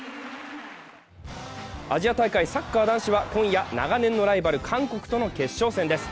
アジア大会、サッカー男子は今夜、長年のライバル・韓国との決勝戦です。